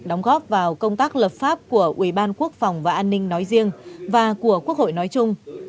đóng góp vào công tác lập pháp của ubnd nói riêng và của quốc hội nói chung